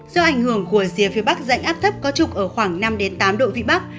do ảnh hưởng của rìa phía bắc dãnh áp thấp có trục ở khoảng năm tám độ vĩ bắc